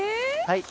はい。